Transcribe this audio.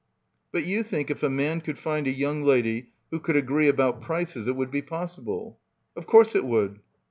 "But you think if a man could find a young lady who could agree about prices it would be possible." "Of course it would."